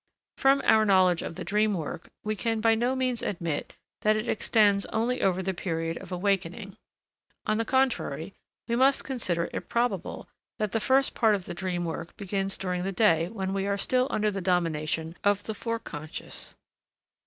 From our knowledge of the dream work, we can by no means admit that it extends only over the period of awakening. On the contrary, we must consider it probable that the first part of the dream work begins during the day when we are still under the domination of the foreconscious.